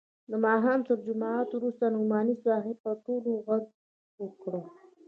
د ماښام تر جماعت وروسته نعماني صاحب پر ټولو ږغ وکړ.